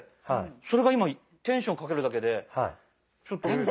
それが今テンションかけるだけで。